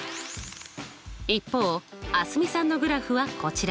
一方蒼澄さんのグラフはこちら。